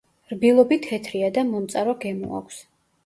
რბილობი თეთრია და მომწარო გემო აქვს.